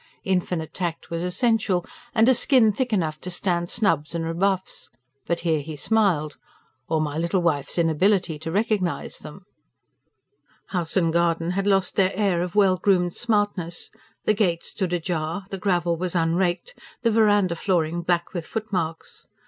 Infinite tact was essential, and a skin thick enough to stand snubs and rebuffs. But here he smiled. "Or my little wife's inability to recognise them!" House and garden had lost their air of well groomed smartness: the gate stood ajar, the gravel was unraked, the verandah flooring black with footmarks.